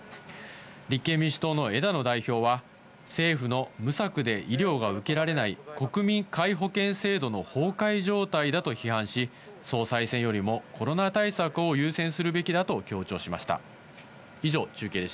立憲民主党の枝野代表は、政府の無策で医療が受けられない国民皆保険制度の崩壊状態だと批判し、総裁選よりもコロナ対策を優先するべきだと強調しました。